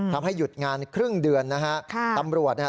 ทำให้หยุดงานครึ่งเดือนนะฮะค่ะตำรวจเนี่ย